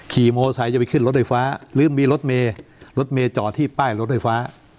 ขี่โมเซย์จะไปขึ้นรถไอฟ้าหรือมีรถเมรถเมจ่อที่ป้ายรถไอฟ้า